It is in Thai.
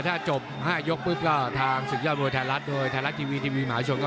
ถ้าจบ๕ยกปุ๊บก็ทางศึกยอดมวยไทยรัฐด้วย